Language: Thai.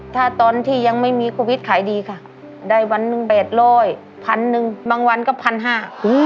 ถ้าตอนที่ยังไม่มีโควิดขายดีค่ะได้วันหนึ่งแปดร้อยพันหนึ่งบางวันก็พันห้า